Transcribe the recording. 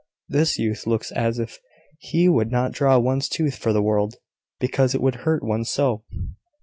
This youth looks as if he would not draw one's tooth for the world, because it would hurt one so!